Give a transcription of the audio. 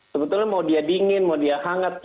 sebetulnya mau dia dingin mau dia hangat gitu ya